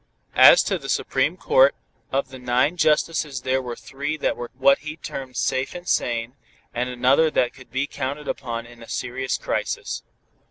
As to the Supreme Court, of the nine justices there were three that were what he termed "safe and sane," and another that could be counted upon in a serious crisis.